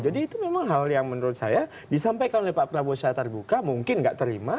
jadi itu memang hal yang menurut saya disampaikan oleh pak prabowo secara terbuka mungkin nggak terima